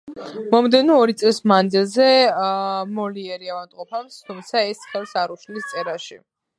მომდევნო ორი წლის მანძილზე მოლიერი ავადმყოფობს, თუმცა ეს ხელს არ უშლის წერაში.